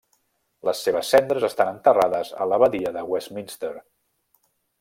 Les seves cendres estan enterrades a l'Abadia de Westminster.